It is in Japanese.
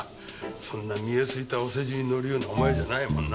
そんな見え透いたお世辞に乗るようなお前じゃないもんな。